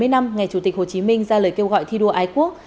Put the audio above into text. bảy mươi năm ngày chủ tịch hồ chí minh ra lời kêu gọi thi đua ái quốc